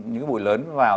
những cái bụi lớn vào